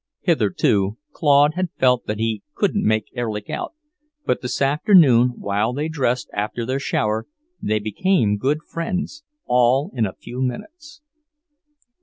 Hitherto Claude had felt that he "couldn't make Erlich out," but this afternoon, while they dressed after their shower, they became good friends, all in a few minutes.